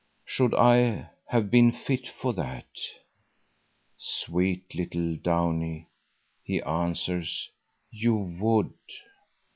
Should I have been fit for that?" "Sweet little Downie," he answers, "you would."